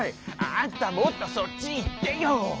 あんたもっとそっちいってよ！